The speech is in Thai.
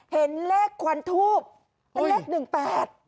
เห็นเลขควันทูปเลข๑๘